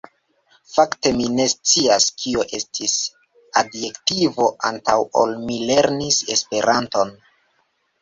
Fakte mi ne scias kio estis adjektivo antaŭ ol mi lernis Esperanton.